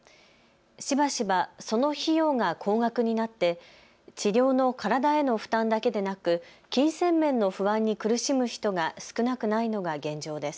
しばしば、その費用が高額になって治療の体への負担だけでなく金銭面の不安に苦しむ人が少なくないのが現状です。